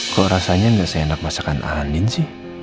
kok rasanya gak seenak masakan andin sih